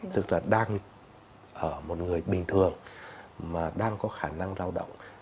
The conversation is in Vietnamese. tức là đang ở một người bình thường mà đang có khả năng lao động